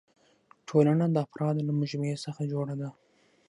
ټولنه د افرادو له مجموعي څخه جوړه ده.